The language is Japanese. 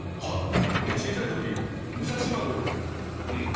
で小さいとき。